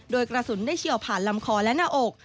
โดยกระสุนได้เฉียวผ่านลำคอและหน้าอก